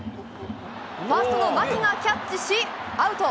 ファーストの牧がキャッチし、アウト。